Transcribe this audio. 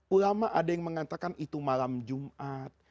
ulama ada yang mengatakan itu malam jumat